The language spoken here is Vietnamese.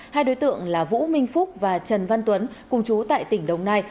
hai đối tượng là vũ minh phúc và trần văn tuấn cùng chú tại tỉnh đồng nai